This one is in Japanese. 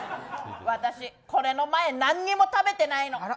私、これの前に何にも食べてないの。